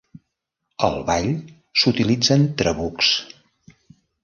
Al ball s'utilitzen trabucs.